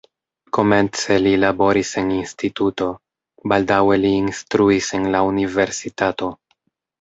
Komence li laboris en instituto, baldaŭe li instruis en la universitato.